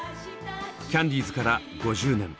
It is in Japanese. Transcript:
キャンディーズから５０年。